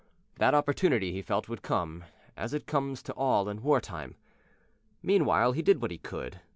That opportunity, he felt, would come, as it comes to all in war time. Meanwhile he did what he could.